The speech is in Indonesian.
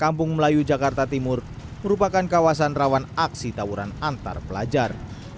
kampung melayu jakarta timur merupakan kawasan rawan aksi tawuran antar pelajar